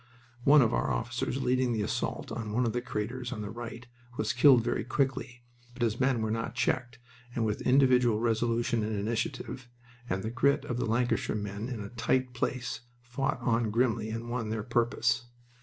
One of our officers leading the assault on one of the craters on the right was killed very quickly, but his men were not checked, and with individual resolution and initiative, and the grit of the Lancashire man in a tight place, fought on grimly, and won their purpose.